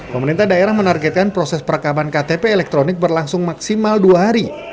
pemerintah daerah menargetkan proses perekaman ktp elektronik berlangsung maksimal dua hari